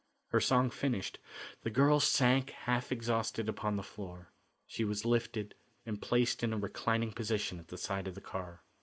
Her song finished, the girl sank half exhausted upon the floor. She was lifted and placed in a reclining position at the side of the car.